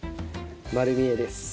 丸見えです。